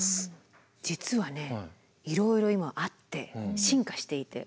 実はねいろいろ今あって進化していて。